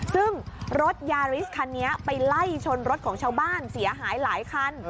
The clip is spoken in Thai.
ซึ่งรถยาริสคันนี้ไปไล่ชนรถของชาวบ้านเสียหายหลายคัน